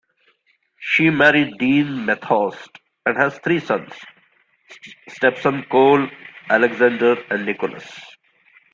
She married Dean Methorst and has three sons: step-son Cole, Alexander, and Nicholas.